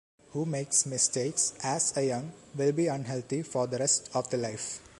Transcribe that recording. Who makes mistakes as a young will be unhealthy for the rest of the life.